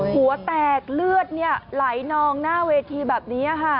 หัวแตกเลือดไหลนองหน้าเวทีแบบนี้ค่ะ